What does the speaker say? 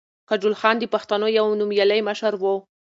کجوخان د پښتنو یو نومیالی مشر ؤ.